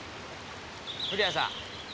古谷さん。